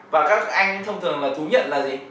và các anh thông thường là thú nhận là gì